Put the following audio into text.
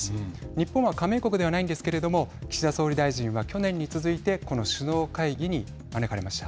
日本は加盟国ではないんですけれども岸田総理大臣は去年に続いてこの首脳会議に招かれました。